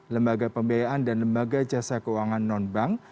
lembaga pembayaan dan lembaga jasa keuangan nonbank